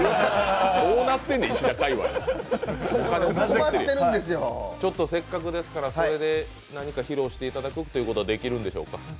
どうなってんねん、石田界隈せっかくですから、それで何か披露していただくのはできるんですか？